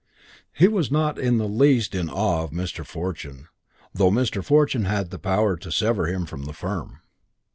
He was not in the least in awe of Mr. Fortune, though Mr. Fortune had power to sever him from the firm.